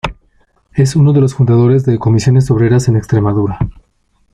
Es uno de los fundadores de Comisiones Obreras en Extremadura.